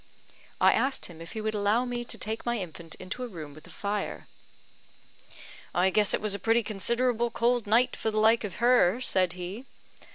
I asked him if he would allow me to take my infant into a room with a fire. "I guess it was a pretty considerable cold night for the like of her," said he.